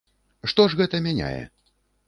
Што ж гэта мяняе?